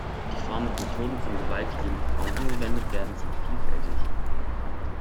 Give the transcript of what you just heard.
Die Formen und Methoden von Gewalt, die gegen Frauen angewendet werden, sind vielfältig.